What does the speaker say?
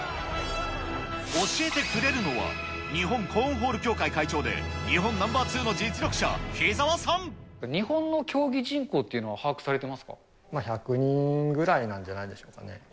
教えてくれるのは、日本コーンホール協会会長で、日本ナンバー２の実力者、日澤さ日本の競技人口っていうのは、１００人ぐらいなんじゃないでしょうかね。